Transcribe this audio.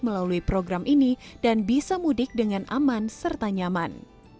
melalui program ini dan bisa mudik dengan aman serta nyaman